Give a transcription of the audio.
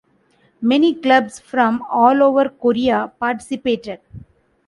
Many clubs from all over Korea participated.